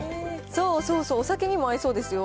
そうそうそう、お酒にも合いそうですよ。